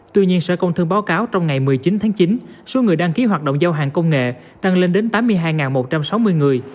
tuy nhiên sở công thương báo cáo trong ngày một mươi chín tháng chín số người đăng ký hoạt động giao hàng công nghệ tăng lên đến tám mươi hai một trăm sáu mươi người